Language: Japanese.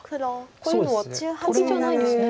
こういうのはトビじゃないんですね。